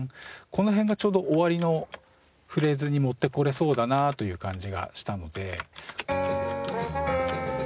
この辺がちょうど終わりのフレーズに持ってこられそうだなという感じがしたので。